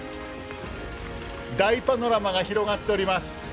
大パノラマが広がっております。